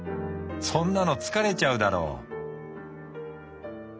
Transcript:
そんなの疲れちゃうだろ？」。